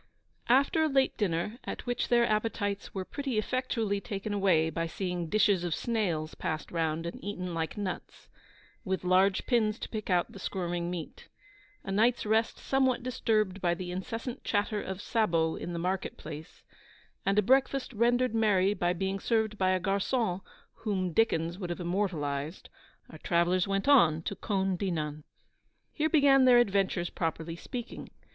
_ After a late dinner, at which their appetites were pretty effectually taken away by seeing dishes of snails passed round and eaten like nuts, with large pins to pick out the squirming meat; a night's rest somewhat disturbed by the incessant clatter of sabots in the market place, and a breakfast rendered merry by being served by a garçon whom Dickens would have immortalised, our travellers went on to Caulnes Dinan. Here began their adventures, properly speaking.